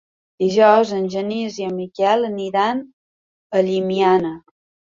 Dijous en Genís i en Miquel aniran a Llimiana.